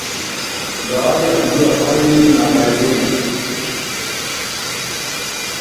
Zawadi hakujua afanye nini na habari zile